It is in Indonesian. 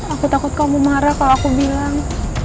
aku takut kamu marah kalau aku bilang